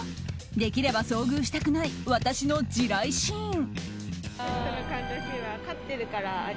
できれば遭遇したくない私の地雷シーン。